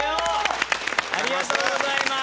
ありがとうございます。